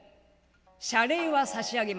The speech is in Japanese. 謝礼は差し上げます。